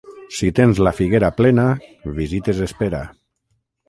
Si tens la figuera plena, visites espera.